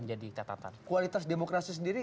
menjadi catatan kualitas demokrasi sendiri